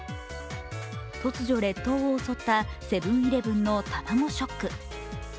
突如列島を襲ったセブン−イレブンの卵ショック。